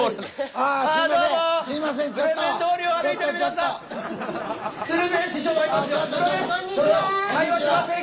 ああすいません